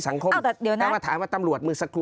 สังคมอ้าวแต่เดี๋ยวน่ะถามว่าตำรวจมือสักครู่นี่